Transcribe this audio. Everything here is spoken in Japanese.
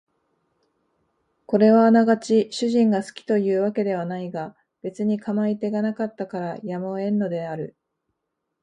これはあながち主人が好きという訳ではないが別に構い手がなかったからやむを得んのである